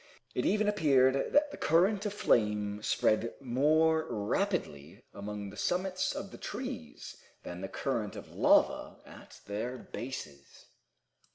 It even appeared that the current of flame spread more rapidly among the summits of the trees than the current of lava at their bases.